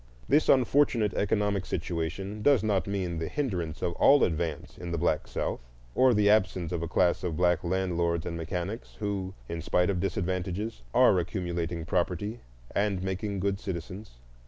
This unfortunate economic situation does not mean the hindrance of all advance in the black South, or the absence of a class of black landlords and mechanics who, in spite of disadvantages, are accumulating property and making good citizens.